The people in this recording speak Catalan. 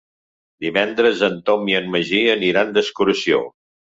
Divendres en Tom i en Magí aniran d'excursió.